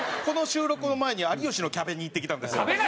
この収録の前に「有吉のキャベ」に行ってきたんですよ。